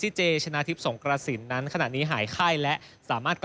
รายการนี้ชิงตัวไปแข่งขันในศึกฆัตโอลิมปิกที่ประเทศบราซิล